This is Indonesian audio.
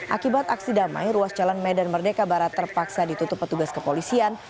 akibat aksi damai ruas jalan medan merdeka barat terpaksa ditutup petugas kepolisian